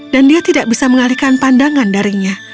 dan dia tidak bisa mengalihkan pandangan darinya